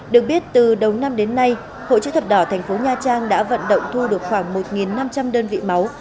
được biết từ đầu năm đến nay hội chữ thập đỏ thành phố nha trang đã vận động thu được khoảng một năm trăm linh đơn vị máu